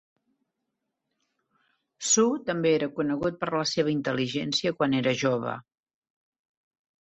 Su també era conegut per la seva intel·ligència quan era jove.